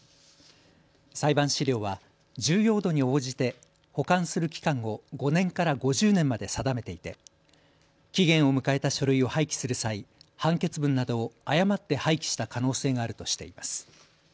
裁判資料は重要度に応じて保管する期間を５年から５０年まで定めていて期限を迎えた書類を廃棄する際、判決文などを誤って廃棄した可能性があるとしています。